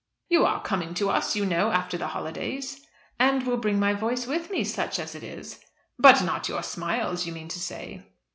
"You are coming to us, you know, after the holidays." "And will bring my voice with me, such as it is." "But not your smiles, you mean to say."